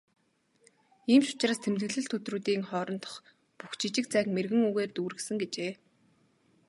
"Ийм ч учраас тэмдэглэлт өдрүүдийн хоорондох бүх жижиг зайг мэргэн үгээр дүүргэсэн" гэжээ.